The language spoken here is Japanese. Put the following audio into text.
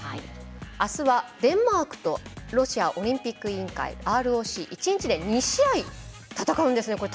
あすはデンマークとロシアオリンピック委員会ＲＯＣ１日で２試合、戦うんですね。